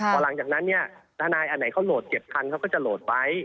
เพราะฉะนั้นทนายอันไหนเขาโหลดเก็บทันเขาก็จะโหลดไว้